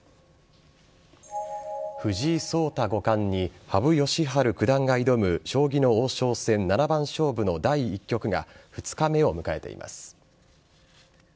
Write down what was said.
藤井聡太五冠に羽生善治九段が挑む将棋の王将戦七番勝負の第１局が２日目を迎えています。